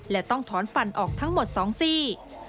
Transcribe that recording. และต้องถอนฟันออกทั้งหมด๒ซี่